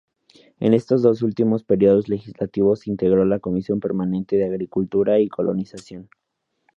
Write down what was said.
En estos dos últimos períodos legislativos integró la comisión permanente de Agricultura y Colonización.